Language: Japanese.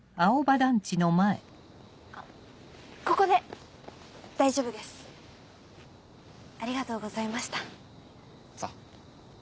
あっここで大丈夫ですありがとうございましたそう